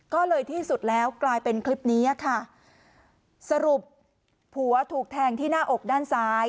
ก็เลยที่สุดแล้วกลายเป็นคลิปนี้ค่ะสรุปผัวถูกแทงที่หน้าอกด้านซ้าย